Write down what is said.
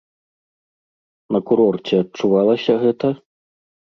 На курорце адчувалася гэта?